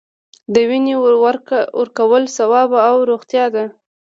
د وینې ورکول ثواب او روغتیا ده